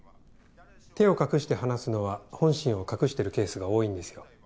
手を隠して話すのは本心を隠してるケースが多いんですよ。